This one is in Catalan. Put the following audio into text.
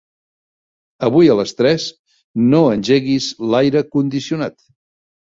Avui a les tres no engeguis l'aire condicionat.